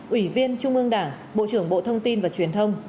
ủy viên trung ương đảng bộ trưởng bộ thông tin và truyền thông